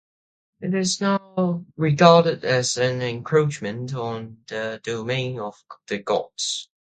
It is now regarded as an encroachment on the domain of the gods.